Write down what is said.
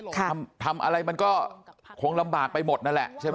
ทำอะไรมันก็คงลำบากไปหมดนั่นแหละใช่ไหม